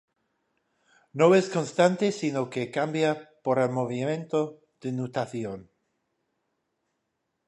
No es constante sino que cambia por el movimiento de nutación.